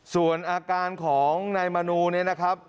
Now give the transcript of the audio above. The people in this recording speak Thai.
ส่วนอาการของนายมนูเนี่ยนะครับ